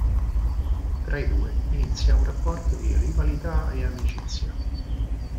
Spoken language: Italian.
Tra i due inizia una rapporto di rivalità e amicizia.